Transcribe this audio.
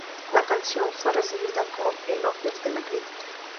La canción fue recibida con elogios de la crítica.